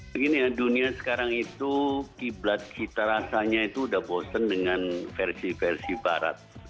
begini ya dunia sekarang itu kiblat kita rasanya itu udah bosen dengan versi versi barat